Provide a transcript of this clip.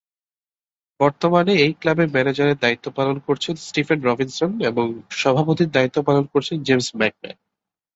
বর্তমানে এই ক্লাবের ম্যানেজারের দায়িত্ব পালন করছেন স্টিফেন রবিনসন এবং সভাপতির দায়িত্ব পালন করছেন জেমস ম্যাকম্যান।